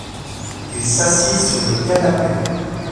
Il s’assied sur le canapé.